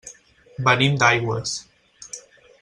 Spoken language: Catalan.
Venim d'Aigües.